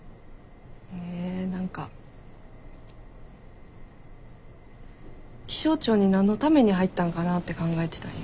え何か気象庁に何のために入ったんかなって考えてたんよ。